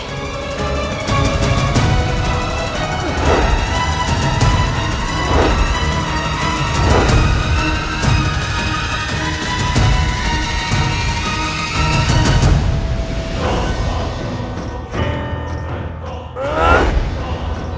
tuk mereka akan menyajikan ku bukan aku